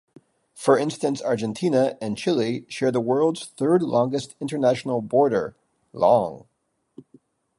For instance Argentina and Chile share the world's third-longest international border, long.